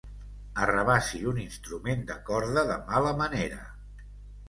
Arrabassi un instrument de corda de mala manera.